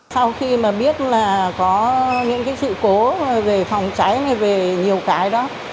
sau khi mà biết là có những cái sự cố về phòng cháy này về nhiều cái đó